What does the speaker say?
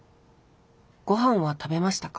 ご飯は食べましたか？